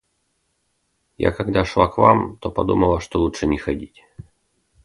Я когда шла к вам, то подумала, что лучше не ходить.